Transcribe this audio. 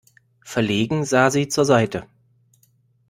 Verlegen sah sie zur Seite.